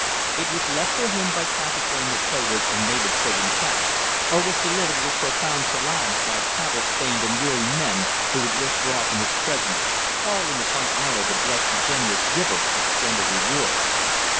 It was left for him by taciturn nakhodas of native trading craft, or was delivered with profound salaams by travel stained and weary men who would withdraw from his presence calling upon Allah to bless the generous giver of splendid rewards.